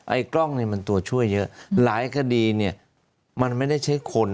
กล้องนี่มันตัวช่วยเยอะหลายคดีเนี่ยมันไม่ได้ใช้คน